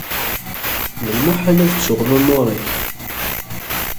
D lmuḥal ad ttuɣ lumuṛ-ik.